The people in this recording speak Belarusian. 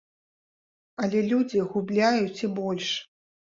Але людзі губляюць і больш.